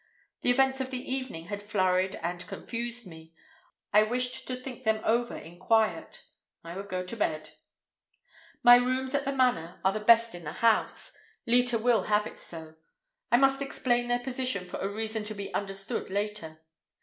The events of the evening had flurried and confused me. I wished to think them over in quiet. I would go to bed. My rooms at the Manor are the best in the house. Leta will have it so. I must explain their position for a reason to be understood later.